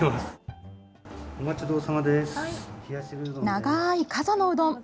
長い加須のうどん！